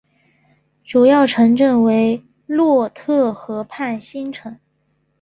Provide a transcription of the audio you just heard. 主要城镇为洛特河畔新城。